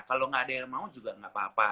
kalau gak ada yang mau juga gak apa apa